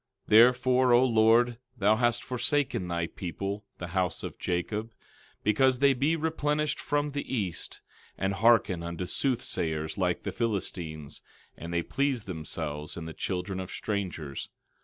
12:6 Therefore, O Lord, thou hast forsaken thy people, the house of Jacob, because they be replenished from the east, and hearken unto soothsayers like the Philistines, and they please themselves in the children of strangers.